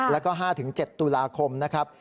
แล้วก็๕๗ตุลาคมนะครับ